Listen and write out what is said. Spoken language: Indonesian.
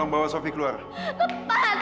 bajak keluar bajak